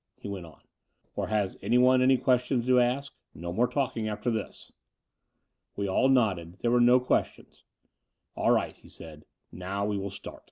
he went on: "or has any one any questions to ask? No more talking after this." We all nodded. There were no questions. "All right," he said. "Now we will start."